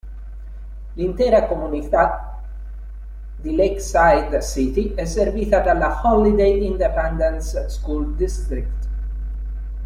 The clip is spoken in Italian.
L'intera comunità di Lakeside City è servita dalla Holliday Independent School District.